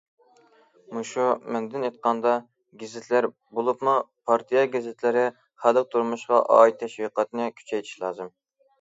مۇشۇ مەنىدىن ئېيتقاندا، گېزىتلەر، بولۇپمۇ پارتىيە گېزىتلىرى خەلق تۇرمۇشىغا ئائىت تەشۋىقاتنى كۈچەيتىشى لازىم.